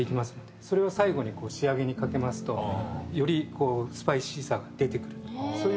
それを最後に仕上げにかけますとよりスパイシーさが出てくるという。